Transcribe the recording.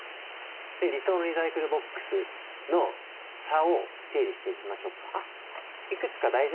理想のリサイクルボックスの差を整理していきましょうか。